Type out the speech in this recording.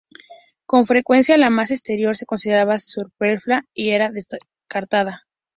Con frecuencia la masa exterior se consideraba superflua y era descartada.